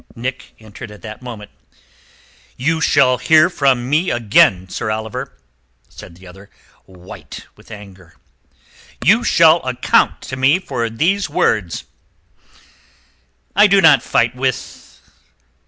Nick entered at that moment. "You shall hear from me again, Sir Oliver," said the other, white with anger. "You shall account to me for these words." "I do not fight with...